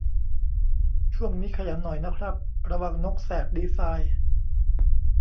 ช่วงนี้ขยันหน่อยนะครับ ระวัง นกแสกดีไซน์